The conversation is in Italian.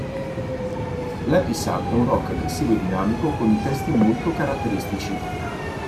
L'happysad è un rock aggressivo e dinamico con i testi molto caratteristici.